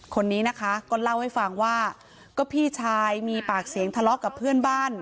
คนนี้นะคะก็เล่าให้ฟังว่าก็พี่ชายมีปากเสียงทะเลาะกับเพื่อนบ้าน